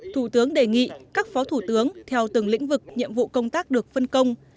thủ tướng đề nghị các phó thủ tướng theo từng lĩnh vực nhiệm vụ công tác được phân công